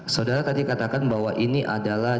saudara tadi katakan bahwa ini adalah